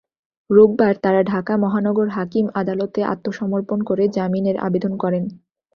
রোববার তাঁরা ঢাকা মহানগর হাকিম আদালতে আত্মসমর্পণ করে জামিনের আবেদন করেন।